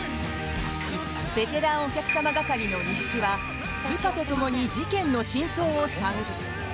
ベテランお客様係の西木は部下と共に事件の真相を探る。